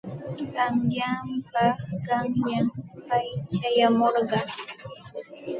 Qanyanpa qanyan pay chayamurqa.